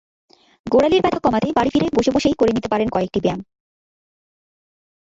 গোড়ালির ব্যথা কমাতে বাড়ি ফিরে বসে বসেই করে নিতে পারেন কয়েকটি ব্যায়াম।